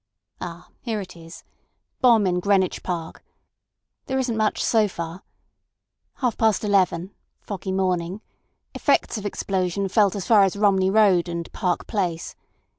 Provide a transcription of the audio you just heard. "Ah! Here it is. Bomb in Greenwich Park. There isn't much so far. Half past eleven. Foggy morning. Effects of explosion felt as far as Romney Road and Park Place.